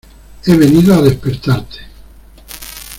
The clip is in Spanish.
he venido a despertarte.